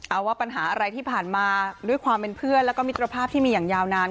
เอาว่าปัญหาอะไรที่ผ่านมาด้วยความเป็นเพื่อนแล้วก็มิตรภาพที่มีอย่างยาวนาน